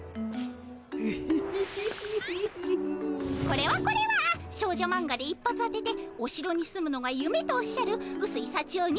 これはこれは少女マンガで一発当てておしろに住むのがゆめとおっしゃるうすいさちよ